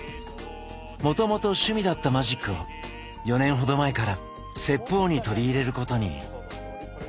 もともと趣味だったマジックを４年ほど前から説法に取り入れることに。